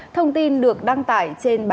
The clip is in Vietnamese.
thông tin được đăng tải